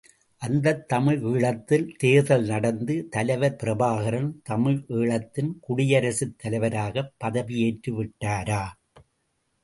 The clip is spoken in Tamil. அந்தத் தமிழ் ஈழத்தில் தேர்தல் நடந்து, தலைவர் பிரபாகரன் தமிழ் ஈழத்தின் குடியரசுத் தலைவராகப் பதவியேற்று விட்டாரா?